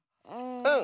うん！